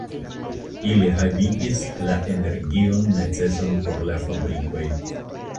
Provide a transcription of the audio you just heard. Ili havigis la energion necesan por la fabrikoj.